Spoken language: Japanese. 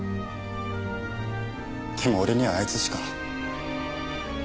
でも俺にはあいつしか。